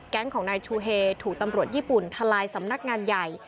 ของนายชูเฮถูกตำรวจญี่ปุ่นทลายสำนักงานใหญ่